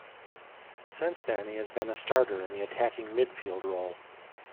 Since then he has been a starter in the attacking midfield role.